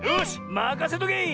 まかせとけ！